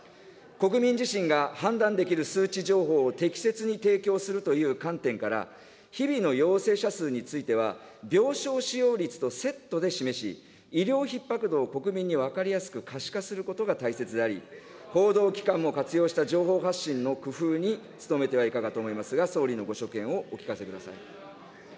国民自身が判断できる数値情報を適切に提供するという観点から、日々の陽性者数については、病床使用率とセットで示し、医療ひっ迫度を国民に分かりやすく可視化することが大切であり、報道機関も活用した情報発信の工夫に努めてはいかがと思いますが、総理のご所見をお聞かせください。